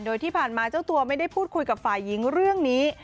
โดยที่ผ่านมาเจ้าตัวไม่ได้พูดคุยกับฝ่ายหญิงเรื่องนี้